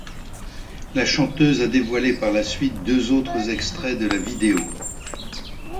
La chanteuse a dévoilé par la suite deux autres extraits de la vidéo.